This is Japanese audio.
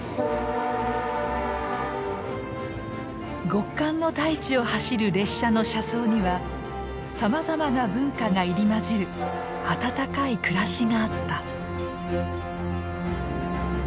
極寒の大地を走る列車の車窓にはさまざまな文化が入り混じる温かい暮らしがあった。